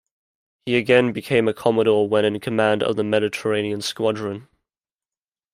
He again became a Commodore when in command of the Mediterranean Squadron.